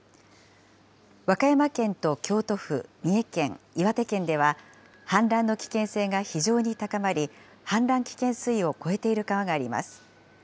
和歌山県と京都府、三重県、岩手県では、氾濫の危険性が非常に高まり、氾濫危険水位を超えている川があります。